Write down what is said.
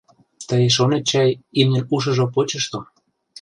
Тый шонет чай: имньын ушыжо почышто.